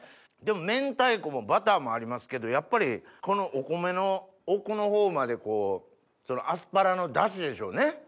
でも明太子もバターもありますけどやっぱりこのお米の奥のほうまでアスパラの出汁でしょうね。